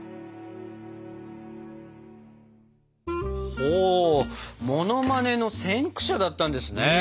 ほモノマネの先駆者だったんですね。